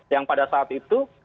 yang pada saat itu